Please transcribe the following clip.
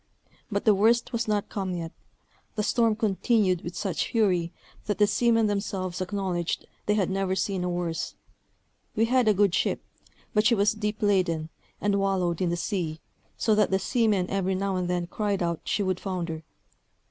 But the worst was not come yet; the storm continued with such fury, that the seamen themselves acknowledged they had never seen a worse. We had a good ship, but she was deep laden, and wallowed in the sea, so that the seamen every now and then cried out she would founder.